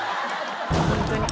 ホントに。